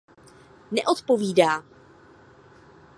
Neodpovídá.